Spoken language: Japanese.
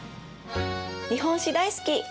日本史大好き！